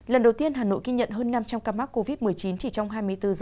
lần đầu tiên hà nội ghi nhận hơn năm trăm linh ca mắc covid một mươi chín chỉ trong hai mươi bốn h